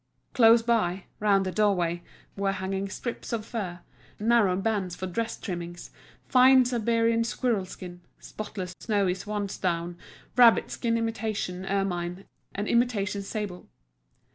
Close by, round the doorway, were hanging strips of fur, narrow bands for dress trimmings, fine Siberian squirrel skin, spotless snowy swansdown, rabbit skin imitation ermine and imitation sable.